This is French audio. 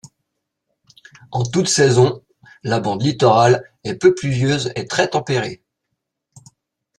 En toute saison, la bande littorale est peu pluvieuse et très tempérée.